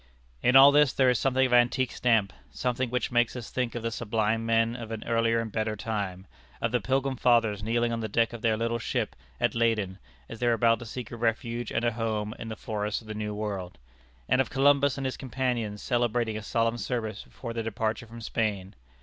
In all this there is something of antique stamp, something which makes us think of the sublime men of an earlier and better time; of the Pilgrim Fathers kneeling on the deck of their little ship at Leyden, as they were about to seek a refuge and a home in the forests of the New World; and of Columbus and his companions celebrating a solemn service before their departure from Spain.